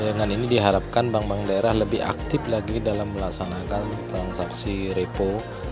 dengan ini diharapkan bank bank daerah lebih aktif lagi dalam melaksanakan transaksi repo